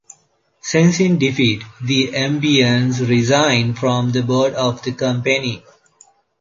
Sensing defeat, the Ambanis resigned from the board of the company.